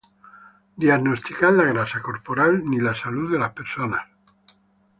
diagnosticar la grasa corporal ni la salud de las personas